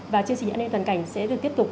và chương trình nhận nên toàn cảnh sẽ được tiếp tục